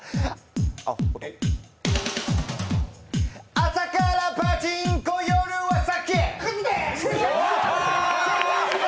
朝からパチンコ夜は酒！